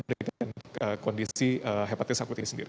dan mendapatkan kondisi hepatitis akut ini sendiri